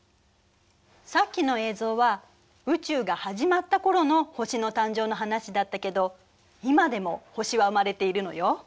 さっきの映像は宇宙が始まった頃の星の誕生の話だったけど今でも星は生まれているのよ。